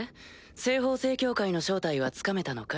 西方聖教会の正体はつかめたのかい？